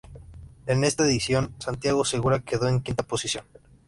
En esta edición, Santiago Segura quedó en quinta posición.